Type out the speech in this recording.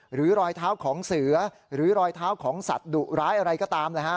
หรือรอยเท้าของเสือหรือรอยเท้าของสัตว์ดุร้ายอะไรก็ตาม